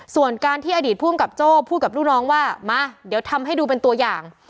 ส่วนการที่อดีตภูมิกับโจ้พูดกับลูกน้องว่ามาเดี๋ยวทำให้ดูเป็นตัวอย่าง